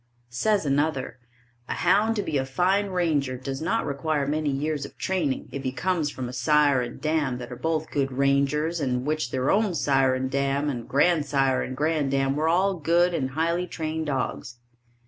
Says another: A hound to be a fine ranger does not require many years of training if he comes from a sire and dam that were both good rangers and which their own sire and dam and grand sire and grand dam were all good and highly trained dogs.